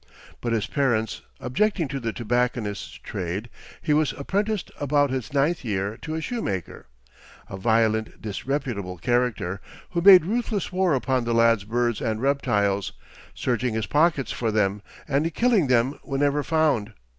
But his parents objecting to the tobacconist's trade, he was apprenticed about his ninth year to a shoemaker, a violent, disreputable character, who made ruthless war upon the lad's birds and reptiles, searching his pockets for them, and killing them whenever found.